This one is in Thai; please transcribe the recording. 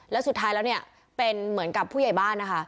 แล้วสุดท้ายแล้วเนี่ยเป็นเหมือนกับผู้ใหญ่บ้านนะคะ